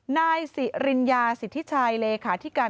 นายสิริญญาสิทธิชัยเลขาธิการ